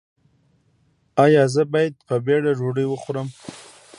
ایا زه باید په بیړه ډوډۍ وخورم؟